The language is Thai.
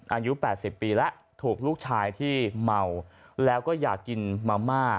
อายุ๘๐ปีแล้วถูกลูกชายที่เมาแล้วก็อยากกินมาม่า